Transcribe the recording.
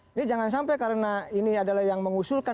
ini jangan sampai karena ini adalah yang mengusulkan